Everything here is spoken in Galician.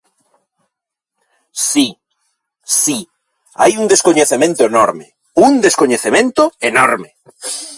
Si, si, hai un descoñecemento enorme, un descoñecemento enorme.